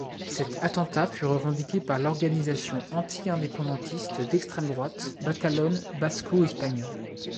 Cet attentat fut revendiqué par l'organisation anti-indépendantiste d'extrême droite Batallón Vasco Español.